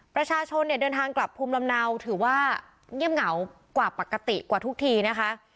ประชาชนเนี่ยเดินทางกลับภูมิลำเนาถือว่าเงียบเหงากว่าปกติกว่าทุกทีนะคะ